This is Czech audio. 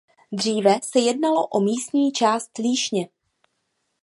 Dříve se jednalo o místní část Líšně.